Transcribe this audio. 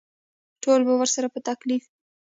ټول به ورسره په تکلیف وي.